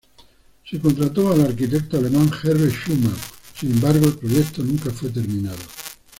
Se contrató al arquitecto alemán Herbert Schumann, sin embargo, el proyecto nunca fue terminado.